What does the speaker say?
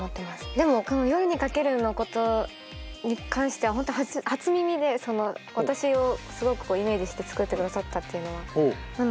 でもこの「夜に駆ける」のことに関しては本当初耳で私をすごくイメージして作ってくださったっていうのは。